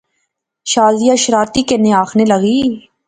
شازیہ شرارتی کنے آخنے لاغی